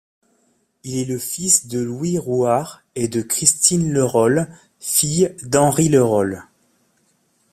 Il est le fils de Louis Rouart et de Christine Lerolle, fille d'Henry Lerolle.